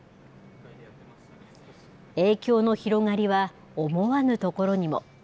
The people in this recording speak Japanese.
影響の広がりは思わぬところにも。